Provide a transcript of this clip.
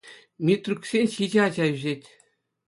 Митрюксен ҫичӗ ача ӳсет.